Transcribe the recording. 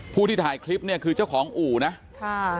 ผู้ที่ถ่ายคลิปเนี่ยคือเจ้าของอู่นะค่ะ